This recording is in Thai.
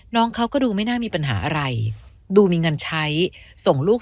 น้องเขาก็ดูไม่น่ามีปัญหาอะไรดูมีเงินใช้ส่งลูก